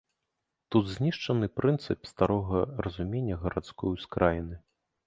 Тут знішчаны прынцып старога разумення гарадской ускраіны.